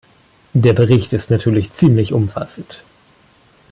Der Bericht ist natürlich ziemlich umfassend.